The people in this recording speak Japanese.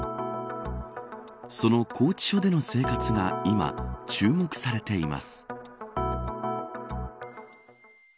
その拘置所での生活が、今注目されています。